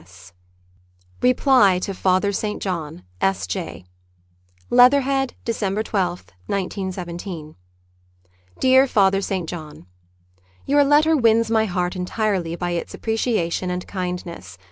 C. S. Reply to Father St. John, S.J. Leatherhead, December I2, 191 7. Dear Father St. John,— Your letter wins my heart entirely by its apprecia tion and kindness.